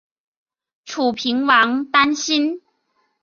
楚平王担心。